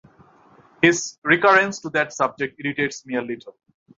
His recurrence to that subject irritates me a little.